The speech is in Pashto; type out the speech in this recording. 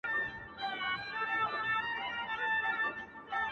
زما فال یې د حافظ په میخانه کي وو کتلی-